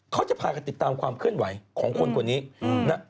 เขาจะพากันติดตามความเคลื่อนไหวของคนคนนี้นะ